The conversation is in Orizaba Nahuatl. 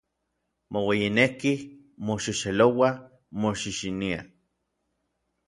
Moueyinekij, moxexelouaj, moxixiniaj.